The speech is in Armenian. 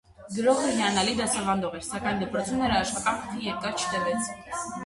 Գրողը հիանալի դասավանդող էր, սակայն դպրոցում նրա աշխատանքը երկար չտևեց։